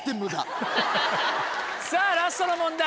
さぁラストの問題。